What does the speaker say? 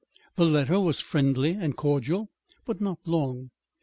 The letter was friendly and cordial, but not long.